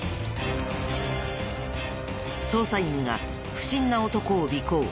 捜査員が不審な男を尾行。